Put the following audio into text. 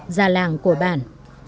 gia làng của bàn